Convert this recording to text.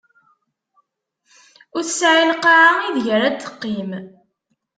Ur tesɛi lqaɛa ideg ar ad teqqim.